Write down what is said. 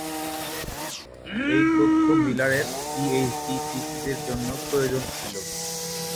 এই তথ্য মিলার এর পিএইচডি থিসিস এর জন্য প্রয়োজন ছিল।